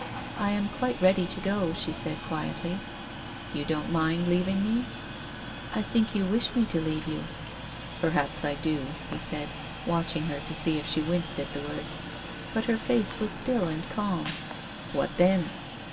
" I am quite ready to go," she said quietly. " You don't mind leaving me ?"" I think you wish me to leave you —"" Perhaps I do," he said, watching her to see if she winced at the words. But her face was still and calm. " What then